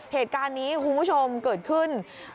เหตุการณ์นี้คุณผู้ชมเกิดขึ้น